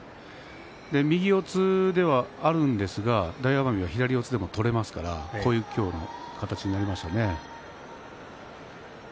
右四つではあるんですけれど大奄美は左四つでも取れますから今日のような形になりますね。